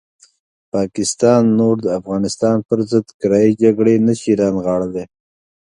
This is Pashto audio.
پاکستان نور د افغانستان پرضد کرایي جګړې نه شي رانغاړلی.